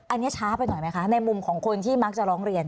อันนี้ช้าไปหน่อยไหมคะในมุมของคนที่มักจะร้องเรียน